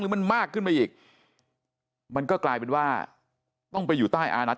มันมากขึ้นไปอีกมันก็กลายเป็นว่าต้องไปอยู่ใต้อานัท